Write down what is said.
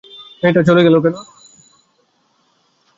মেয়েটা চলে গেলো কেন?